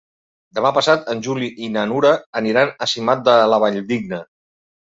Demà passat en Juli i na Nura aniran a Simat de la Valldigna.